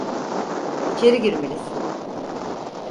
İçeri girmelisin.